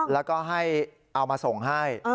แล้วก็ให้เอามาส่งให้